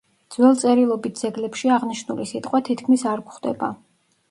ძველ წერილობით ძეგლებში აღნიშნული სიტყვა თითქმის არ გვხვდება.